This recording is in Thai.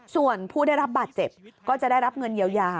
ส่วนผู้ได้รับบาดเจ็บก็จะได้รับเงินเยียวยา